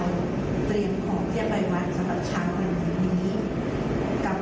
ผมก็คืออยากจะขอโทษทุกคนนะครับที่ว่าเราจะพูดอะไรทั้งปากไปบ้างนะครับ